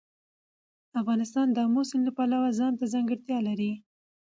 افغانستان د آمو سیند له پلوه ځانته ځانګړتیا لري.